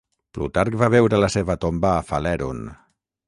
Plutarc va veure la seva tomba a Falèron.